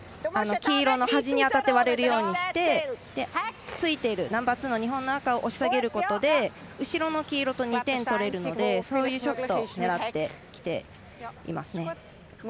黄色の端に当たって割れるようにしてついているナンバーツーの日本の赤を押し下げることで後ろの黄色と２点取れるのでそういうショットを狙ってきていますね。